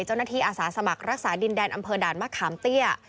เจ้าหน้าที่อาสาสมัครรักษาดินแดนอำเภอด่านมะขามเตี้ย